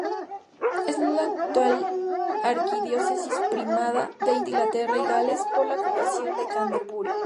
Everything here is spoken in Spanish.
Es la actual arquidiócesis primada de Inglaterra y Gales por la ocupación de Canterbury.